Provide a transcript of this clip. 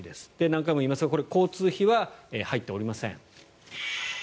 何回も言いますがこれ、交通費は入っておりません。